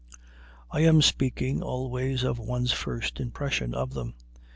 I am speaking always of one's first impression of them.